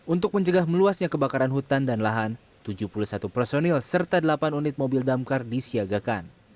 untuk mencegah meluasnya kebakaran hutan dan lahan tujuh puluh satu personil serta delapan unit mobil damkar disiagakan